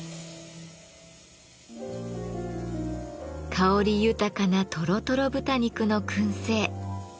香り豊かなとろとろ豚肉の燻製。